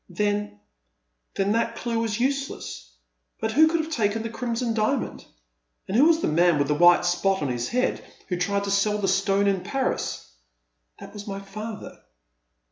" Then — then that clue was useless ; but who could have taken the Crimson Diamond ? And who was the man with the white spot on his head who tried to sell the stone in Paris? " That was my father.